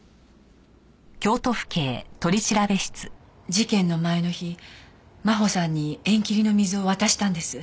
事件の前の日真帆さんに縁切りの水を渡したんです。